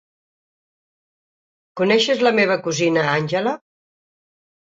Coneixes la meva cosina Angela?